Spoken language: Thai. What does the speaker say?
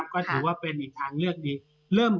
ก็ถือว่าเป็นอีกทางเลือกดี